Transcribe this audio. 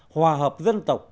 hòa hợp dân tộc